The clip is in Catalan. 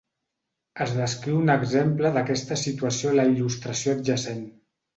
Es descriu un exemple d'aquesta situació a la il·lustració adjacent.